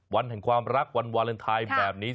วันแห่งความรักวันวาเลนไทยแบบนี้